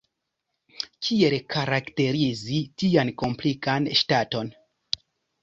Kiel karakterizi tian komplikan ŝtaton?